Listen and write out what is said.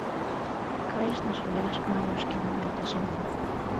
— Кайышна, шоляш, — маньым шкемын йолташемлан.